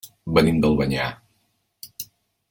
Venim d'Albanyà.